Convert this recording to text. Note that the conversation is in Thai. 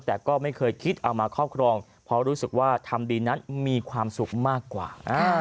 แต่ก็ไม่เคยคิดเอามาครอบครองเพราะรู้สึกว่าทำดีนั้นมีความสุขมากกว่า